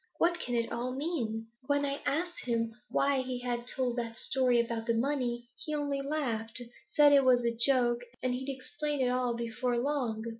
'What can it all mean? When I asked him why he had told that story about the money, he only laughed said it was a joke, and he'd explain it all before long.